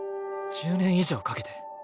１０年以上かけて。